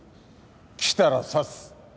来たら刺す。